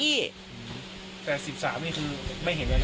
แต่๑๓นี่คือไม่เห็นยังไงครับ